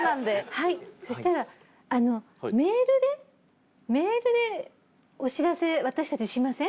はいそしたらメールでメールでお知らせ私たちしません？